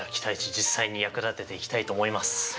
実際に役立てていきたいと思います。